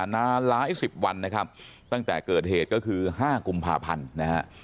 นานหลายสิบวันนะครับตั้งแต่เกิดเหตุก็คือ๕กุมภาพันธ์นะฮะ